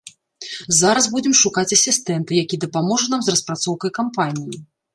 Зараз будзем шукаць асістэнта, які дапаможа нам з распрацоўкай кампаніі.